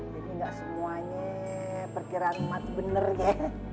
jadi enggak semuanya perkiraan emas bener ya